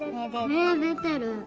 めでてる。